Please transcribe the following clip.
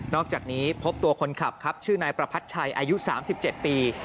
อกจากนี้พบตัวคนขับครับชื่อนายประพัทชัยอายุ๓๗ปี